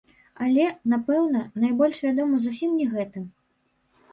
Але, напэўна, найбольш вядомы зусім не гэтым.